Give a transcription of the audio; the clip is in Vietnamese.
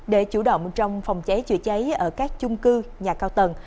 để chủ động trong phòng cháy chữa cháy ở các chung cư nhà cao tầng